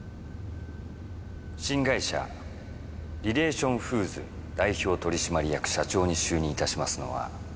新会社リレーション・フーズ代表取締役社長に就任いたしますのは。